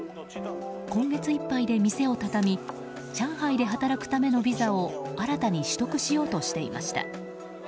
今月いっぱいで店を畳み上海で働くためのビザを新たに取得しようとしていました。